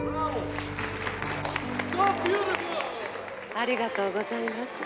ありがとうございます。